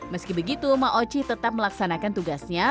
meski begitu ma oci tetap melaksanakan tugasnya